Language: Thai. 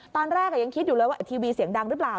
ตอนแรกยังคิดอยู่เลยว่าทีวีเสียงดังหรือเปล่า